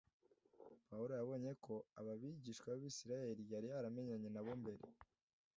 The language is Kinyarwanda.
Pawulo yabonye ko aba bigisha b’Abisiraheli yari yaramenyanye nabo mbere,